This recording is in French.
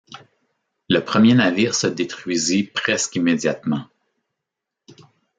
Le premier navire se détruisit presque immédiatement.